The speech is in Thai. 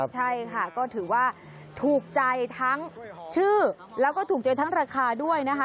ใช่ค่ะก็ถือว่าถูกใจทั้งชื่อแล้วก็ถูกใจทั้งราคาด้วยนะคะ